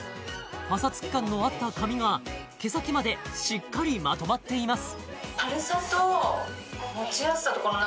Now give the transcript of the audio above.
パサつき感のあった髪が毛先までしっかりまとまっています